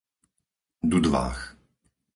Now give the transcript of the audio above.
Dudváh